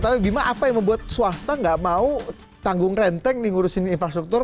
tapi bima apa yang membuat swasta tidak mau tanggung renteng diurusin infrastruktur